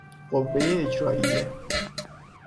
قوهٔ اجرائیه